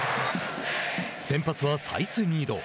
先発はサイスニード。